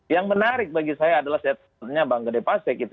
yang menarik bagi saya adalah statementnya bang gede pasek gitu